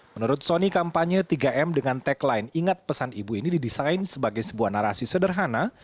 menurut soni kampanye tiga m dengan tagline ingat pesan ibu ini didesain sebagai sebuah narasi sederhana